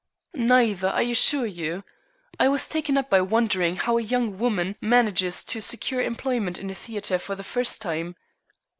"Neither, I assure you. I was taken up by wondering how a young woman manages to secure employment in a theatre for the first time."